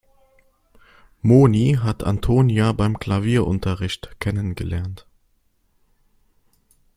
Moni hat Antonia beim Klavierunterricht kennengelernt.